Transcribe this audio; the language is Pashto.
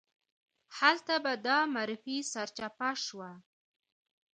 هلته به دا معرفي سرچپه شوه.